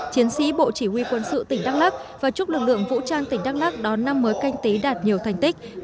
chiến sĩ bộ chỉ huy quân sự tỉnh đắk lắc và chúc lực lượng vũ trang tỉnh đắk lắc đón năm mới canh tí đạt nhiều thành tích